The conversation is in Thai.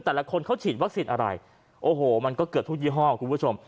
แต่ละคนเขาฉีดวัคซีนอะไรโอ้โหมันก็เกือบทุกยี่ห้อคุณผู้ชม